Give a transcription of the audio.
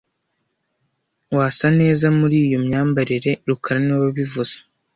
Wasa neza muri iyo myambarire rukara niwe wabivuze